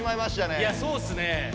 いやそうっすね。